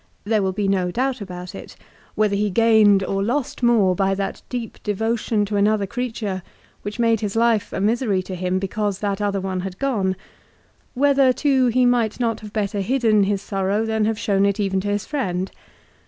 There will be doubt about it, whether he gained or lost more by that deep devotion to another creature which made his life a misery to him because that other one had gone ; whether, too, he might not have better hidden his sorrow than have shown it even to his friend.